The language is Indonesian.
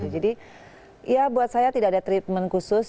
jadi ya buat saya tidak ada treatment khusus